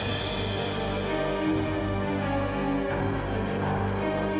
bagaimana fadil kamila